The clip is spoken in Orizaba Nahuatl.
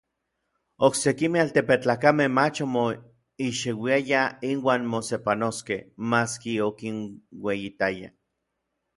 Oksekimej altepetlakamej mach omoixeuiayaj inuan mosepanoskej, maski okinueyitayaj.